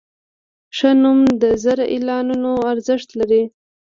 ښه نوم د زر اعلانونو ارزښت لري.